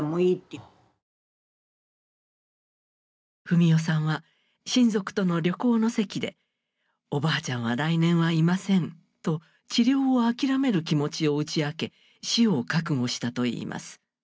史世さんは親族との旅行の席で「おばあちゃんは来年はいません」と治療を諦める気持ちを打ち明け死を覚悟したといいます。